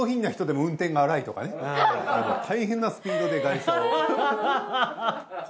もう大変なスピードで外車を。